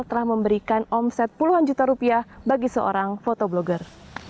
telah memberikan omset puluhan juta rupiah bagi seorang fotoblogger